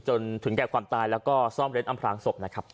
จนถึงแก่ความตายแล้วก็ซ่อนเร้นอำพลางศพนะครับ